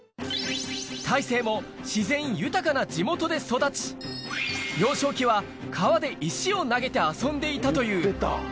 大勢も自然豊かな地元で育ち、幼少期は川で石を投げて遊んでいたという。